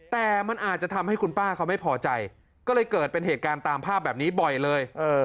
แต่มันอาจจะทำให้คุณป้าเขาไม่พอใจก็เลยเกิดเป็นเหตุการณ์ตามภาพแบบนี้บ่อยเลย